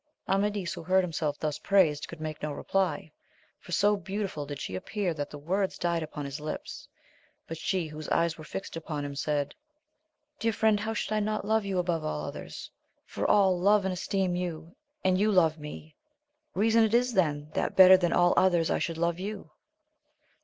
Amadis, who heard himself thus praised, could make no reply, for so beautiful did she appear that the words died upon his lips ; but she whose eyes were fixed upon him said. Dear friend, how should I not love you above aU otheia^ fox «iSL\Q^^ ^sA^ 168 AMADIS OF GAUL. 4 you, and you love me ; reason is it then that better than all other I should love you.